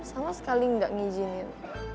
sama sekali gak ngijinin